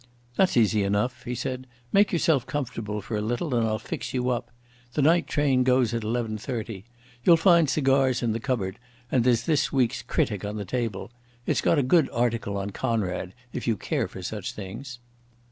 "That's easy enough," he said. "Make yourself comfortable for a little and I'll fix you up. The night train goes at eleven thirty.... You'll find cigars in the cupboard and there's this week's Critic on that table. It's got a good article on Conrad, if you care for such things."